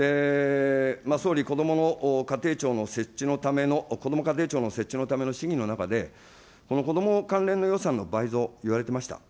総理、こどもの家庭庁の、こども家庭庁の設置のための過程の中でこの子ども関連の予算の倍増、言われてました。